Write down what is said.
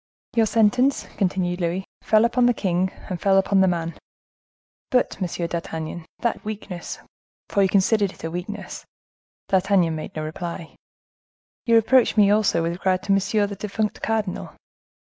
"Your sentence," continued Louis, "fell upon the king and fell upon the man. But, Monsieur d'Artagnan, that weakness, for you considered it a weakness?"—D'Artagnan made no reply—"you reproached me also with regard to monsieur, the defunct cardinal.